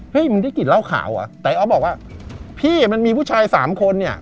เฮ้ยมันได้กลิ่นเหล้าขาวอ่ะแต่อ๊อฟบอกว่าพี่มันมีผู้ชายสามคนเนี่ย